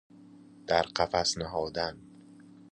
در قفس نهادن